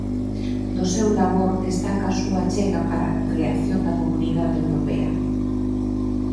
Do seu labor destaca a súa achega para a creación da Comunidade Europea.